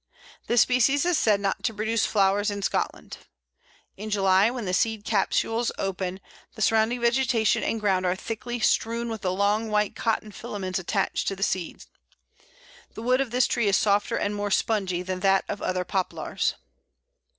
This species is said not to produce flowers in Scotland. In July, when the seed capsules open, the surrounding vegetation and ground are thickly strewn with the long white cotton filaments attached to the seeds. The wood of this tree is softer and more spongy than that of other Poplars.